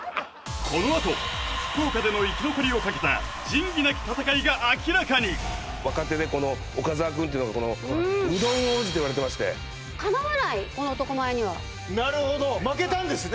このあと福岡での生き残りをかけた仁義なき戦いが明らかに若手でこの岡澤くんというのがこのといわれてましてかなわないこの男前にはなるほど負けたんですね